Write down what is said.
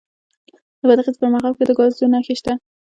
د بادغیس په مرغاب کې د ګازو نښې شته.